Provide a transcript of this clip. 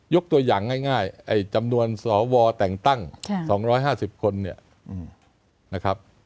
ตัวอย่างง่ายจำนวนสวแต่งตั้ง๒๕๐คนเนี่ยนะครับ